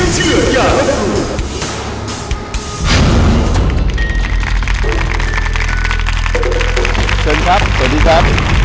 ดีครับเจอนครับสวัสดีครับ